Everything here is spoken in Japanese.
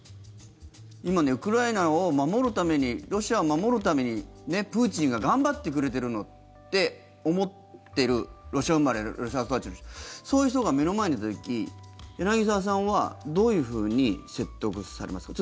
今、ウクライナを守るためにロシアを守るためにプーチンが頑張ってくれてるのって思ってるロシア生まれロシア育ちの人そういう人が目の前にいた時柳澤さんはどういうふうに説得されますか？